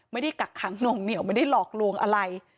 กักขังหน่วงเหนียวไม่ได้หลอกลวงอะไร